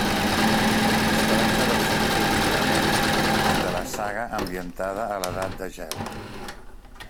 Es tracta del cinquè lliurament de la saga ambientada a l'edat de gel.